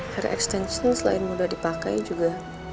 very extension selain mudah dipakai juga